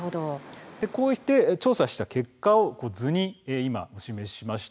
こうした調査の結果を図に示しました。